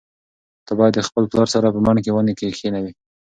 ته باید د خپل پلار سره په بڼ کې ونې کښېنوې.